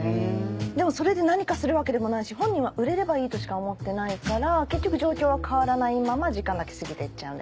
でもそれで何かするわけでもないし本人は売れればいいとしか思ってないから結局状況は変わらないまま時間だけ過ぎていっちゃう。